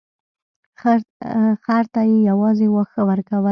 خر ته یې یوازې واښه ورکول.